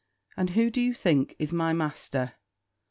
And who, do you think, is my master?